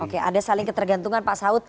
oke ada saling ketergantungan pak saud